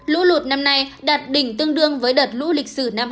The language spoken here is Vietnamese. lũ lụt năm nay đạt đỉnh tương đương với đợt lũ lịch sử năm hai nghìn một mươi